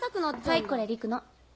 はいこれ陸の。